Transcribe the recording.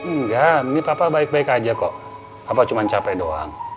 enggak ini papa baik baik aja kok apa cuma capek doang